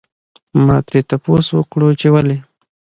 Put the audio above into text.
ما ترې تپوس وکړو چې ولې؟